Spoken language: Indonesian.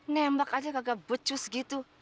nembak aja gagal becus gitu